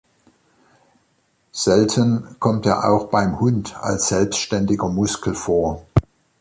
Selten kommt er auch beim Hund als selbstständiger Muskel vor.